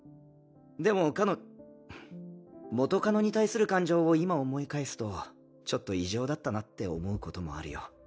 でもかの元カノに対する感情を今思い返すとちょっと異常だったなって思うこともあるよ。